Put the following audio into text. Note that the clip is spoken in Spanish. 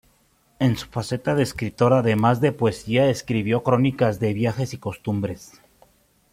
En su faceta de escritor, además de poesía, escribió crónicas de viajes y costumbres.